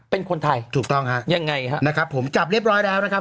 เป็นคนไทยถูกต้องฮะยังไงฮะนะครับผมจับเรียบร้อยแล้วนะครับ